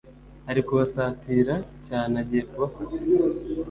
Ari ukubasatira cyane agiye kubafata